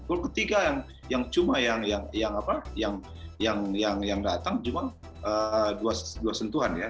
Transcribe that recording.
gol ketiga yang cuma yang apa yang datang cuma dua sentuhan ya